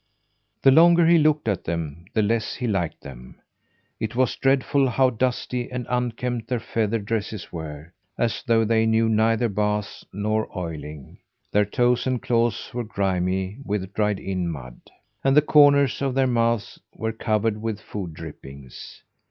The longer he looked at them, the less he liked them. It was dreadful how dusty and unkempt their feather dresses were as though they knew neither baths nor oiling. Their toes and claws were grimy with dried in mud, and the corners of their mouths were covered with food drippings.